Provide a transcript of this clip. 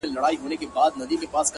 • لکه وېره د لستوڼي له مارانو ,